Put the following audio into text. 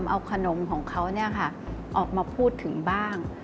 เอาขนมของเขาออกมาพูดถึงบ้าง